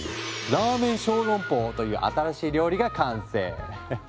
ラーメン小籠包という新しい料理が完成！